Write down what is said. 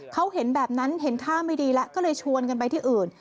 เขาเห็นแบบนั้นเห็นท่าไม่ดีแล้วก็เลยชวนกันไปที่อื่น